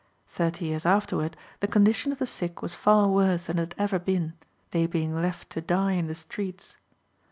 Thirty years afterward the condition of the sick was far worse than it had ever been, they being left to die in the streets.